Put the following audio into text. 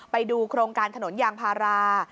ไปดูโครงการถนนยางพารา